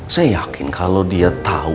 saya yakin kalau dia tahu